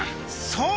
そう！